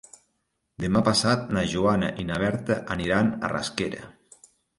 Demà passat na Joana i na Berta aniran a Rasquera.